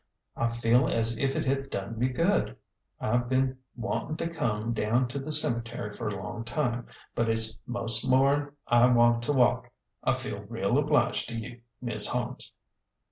I feel as if it had done me good. I've been wan tin' to come down to the cemetery for a long time, but it's most more'n I want to walk. I feel real obliged to you, Mis' Holmes."